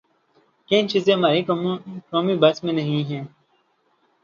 کئی چیزیں ہمارے قومی بس میں نہیں ہیں۔